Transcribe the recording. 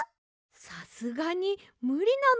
さすがにむりなのでは。